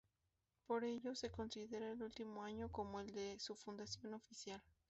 Por ello se considera el último año como el de su fundación oficial.